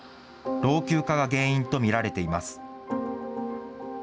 老朽化が原因と見られています。